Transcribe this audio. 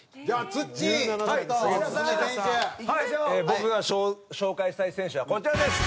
僕が紹介したい選手はこちらです。